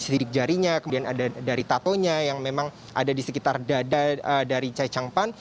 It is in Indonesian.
sidik jarinya kemudian ada dari tatonya yang memang ada di sekitar dada dari chai chang pan